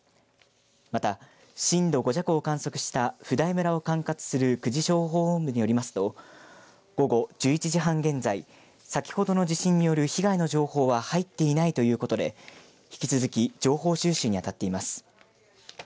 また、震度５弱を観測した普代村を管轄する久慈消防本部によりますと午後１１時半現在先ほどの地震による被害の情報は入っていないということで引き続き情報収集にあたっています。